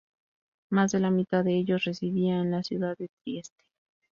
Más de la mitad de ellos residía en la ciudad de Trieste.